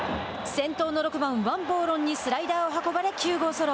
先頭の６番、王柏融にスライダーを運ばれ９号ソロ。